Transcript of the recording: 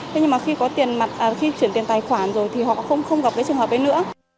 thế nhưng mà khi có tiền mặt khi chuyển tiền tài khoản rồi thì họ không gặp cái trường hợp đấy nữa